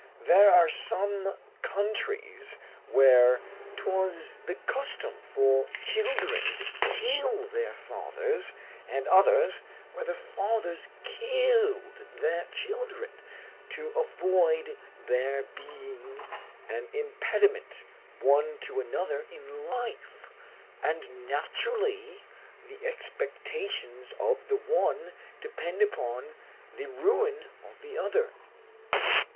There are some countries where 'twas the custom for children to kill their fathers; and others, where the fathers killed their children, to avoid their being an impediment one to another in life; and naturally the expectations of the one depend upon the ruin of the other.